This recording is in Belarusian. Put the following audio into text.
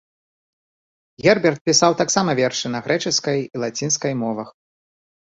Герберт пісаў таксама вершы на грэчаскай і лацінскай мовах.